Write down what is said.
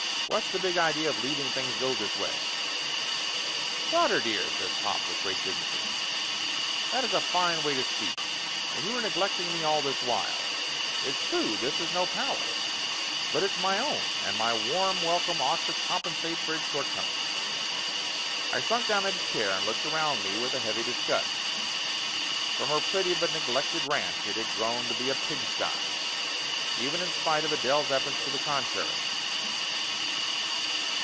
What's the big idea of leaving things go this way?'* "Daughter dear," says pop with great dignity, "that is a fine way to speak, and you neglecting me all this while ! It's true this is no palace, but it's my own, and my warm welcome ought to compensate for its short comings !" I sunk down in a chair and looked around me with a heavy disgust. From a pretty but neglected ranch it had grown to be a pigsty ! Even in spite of Adele's efforts to the contrary.